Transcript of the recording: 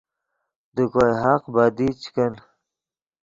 دے کوئے حق بدی چے کن